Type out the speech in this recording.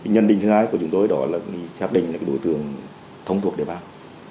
nhân định thứ hai của chúng tôi đó là xác định là đối tượng thông thuộc địa bàn